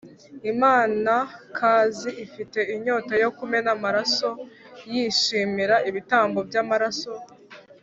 imanakazi ifite inyota yo kumena amaraso yishimira ibitambo by’amaraso.